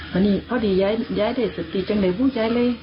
วันนี้พอที่ย้ายได้สติจังเลยพูดใจเลย